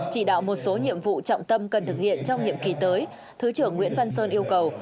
chỉ đạo một số nhiệm vụ trọng tâm cần thực hiện trong nhiệm kỳ tới thứ trưởng nguyễn văn sơn yêu cầu